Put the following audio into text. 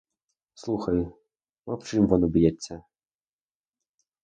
Слухай, мов, чим воно б'ється!